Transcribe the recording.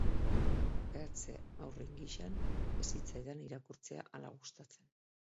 Bertze haurren gisan, ez zitzaidan irakurtzea hala gustatzen.